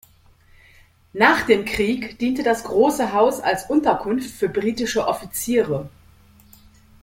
Nach dem Krieg diente das große Haus als Unterkunft für britische Offiziere.